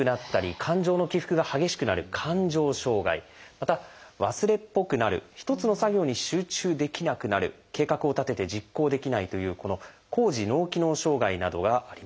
また忘れっぽくなる一つの作業に集中できなくなる計画を立てて実行できないというこの「高次脳機能障害」などがあります。